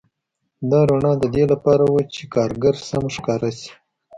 دا رڼا د دې لپاره وه چې کارګر سم ښکاره شي